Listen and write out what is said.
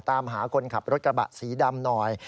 ตามหาคนขับรถกระบะสีดำหน่อย